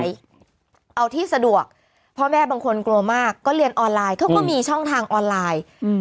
เอาที่สะดวกพ่อแม่บางคนกลัวมากก็เรียนออนไลน์เขาก็มีช่องทางออนไลน์